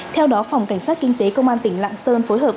theo đó phòng cảnh sát kinh tế công an tỉnh lạng sơn phối hợp